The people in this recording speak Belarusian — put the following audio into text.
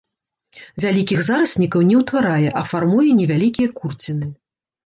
Вялікіх зараснікаў не ўтварае, а фармуе невялікія курціны.